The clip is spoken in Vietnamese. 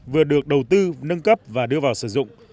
vừa được đầu tư nâng cấp và đưa vào sử dụng